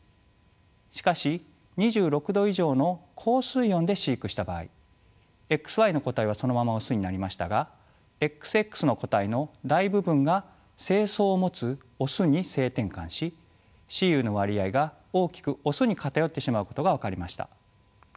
しかし２６度以上の高水温で飼育した場合ＸＹの個体はそのままオスになりましたがＸＸの個体の大部分が精巣を持つオスに性転換し雌雄の割合が大きくオスに偏ってしまうことが分かりました。